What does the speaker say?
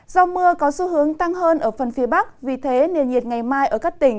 do mưa có xu hướng tăng hơn ở phần phía bắc vì thế nền nhiệt ngày mai ở các tỉnh